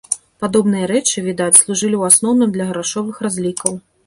Падобныя рэчы, відаць, служылі ў асноўным для грашовых разлікаў.